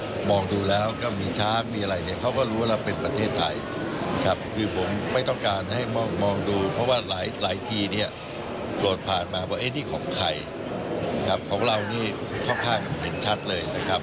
ของเรานี่ค่อนข้างเห็นชัดเลยนะครับ